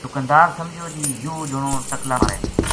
دُکاندار سمجھیو جی یوہ جنو ٹقلا مارے